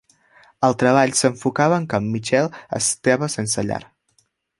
El treball s'enfocava en que Michael estava sense llar.